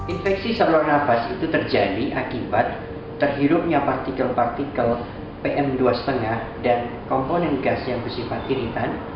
infeksi saluran nafas itu terjadi akibat terhirupnya partikel partikel pm dua lima dan komponen gas yang bersifat iritan